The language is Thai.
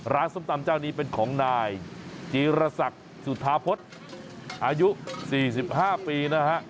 ร้านส้มตำเจ้านี้เป็นของนายจีรศักดิ์สุธาพฤษอายุสี่สิบห้าปีนะฮะ